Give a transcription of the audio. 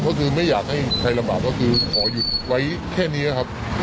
ก็คือไม่อยากให้ใครลำบากก็คือขอหยุดไว้แค่นี้นะครับ